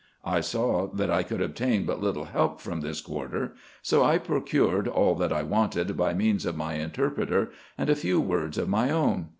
I saw that I could obtain but little help from this quarter; so I procured all that I wanted by means of my interpreter, and a few words of my own.